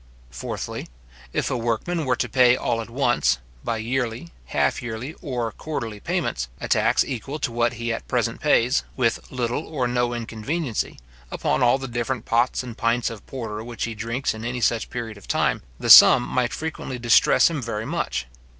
Fourthly, if a workman were to pay all at once, by yearly, half yearly, or quarterly payments, a tax equal to what he at present pays, with little or no inconveniency, upon all the different pots and pints of porter which he drinks in any such period of time, the sum might frequently distress him very much.